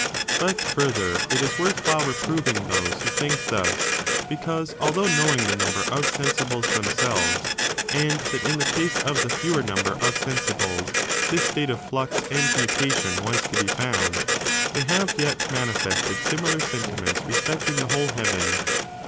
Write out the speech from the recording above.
But, further, it is worth while reproving those who think thus, because, although knowing the number of sensibles themselves, and that in the case of the fewer number of sensibles this state of flux and mutation 'was to be found, they have yet manifested similar sentiments respecting the whole heaven.